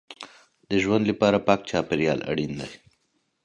د ژوند لپاره پاک چاپېریال اړین دی.